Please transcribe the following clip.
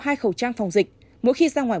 hai khẩu trang phòng dịch mỗi khi ra ngoài